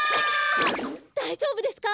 だいじょうぶですか？